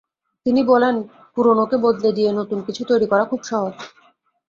তিনি বলেন, পুরোনোকে বদলে দিয়ে নতুন কিছু তৈরি করা খুব সহজ।